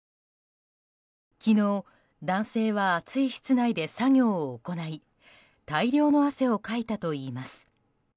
昨日、男性は暑い室内で作業を行い大量の汗をかいたといいます。